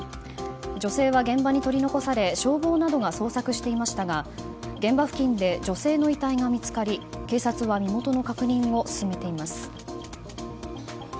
女性は現場に取り残され消防などが捜索していましたが現場付近で女性の遺体が見つかり警察は身元の確認を進めています。